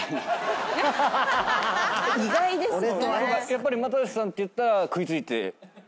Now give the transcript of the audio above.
やっぱり又吉さんって言ったら食い付いてくれたんですか？